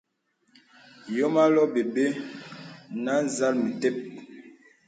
Yōm ālɔ̄ɔ̄ m̀bɛ̂bɛ̂ nə̀ zàl metep.